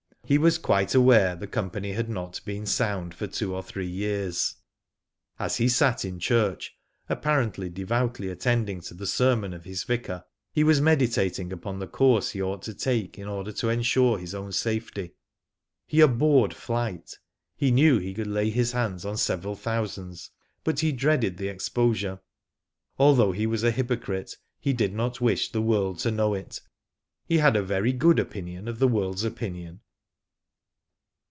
He was quite aware the company had not been sound for two or three years. As he sat in church, apparently devoutly at tending to the sermon of his vicar, he wa$ meditating upon the course \\^ ought to take ill order to ensure his own safety. ' He abhorred flight. He knew he could lay his hands on several thousands, but he dreaded the exposure. * Although he was a hypocrite, he did not wish the world to know it. He had a very good opinion of the world's opinion.